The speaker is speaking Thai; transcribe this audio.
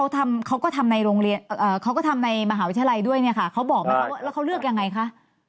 แต่ว่าเขาก็ทำในมหาวิทยาลัยด้วยแล้วเขาเลือกยังไงคะ